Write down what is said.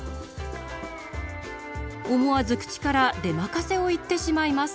思わず口から出まかせを言ってしまいます。